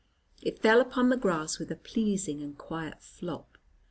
It fell upon the grass with a pleasing and quiet flop.